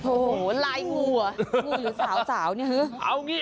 โอ้โหไลน์งูอะงูหรือสาวเนี่ย